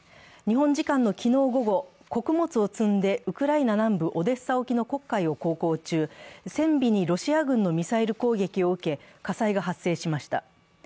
日本時間の昨日午後、穀物を積んでウクライナ南部オデッサ沖の黒海を航行中、船尾にロシア軍のミサイル攻撃を受け火災が発生しました。